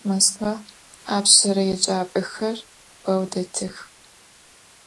Moskva apşsere yêcap'exer beu detıx.